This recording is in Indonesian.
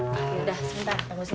yaudah sebentar tunggu sini